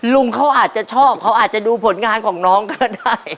ลุงเขาอาจจะชอบเขาอาจจะดูผลงานของน้องก็ได้